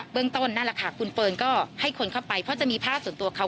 ต้นนั่นแหละค่ะคุณเฟิร์นก็ให้คนเข้าไปเพราะจะมีภาพส่วนตัวเขา